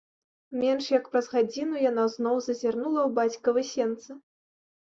Менш як праз гадзіну яна зноў зазірнула ў бацькавы сенцы.